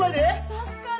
助かる。